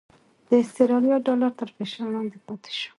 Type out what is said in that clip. د اسټرالیا ډالر تر فشار لاندې پاتې شو؛